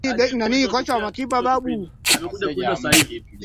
Mwezi wa pili mwaka elfu mbili na saba